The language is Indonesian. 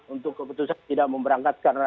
untuk keputusan tidak memberangkatkan